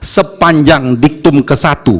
sepanjang diktum ke satu